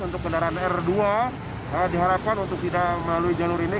untuk kendaraan r dua diharapkan untuk tidak melalui jalur ini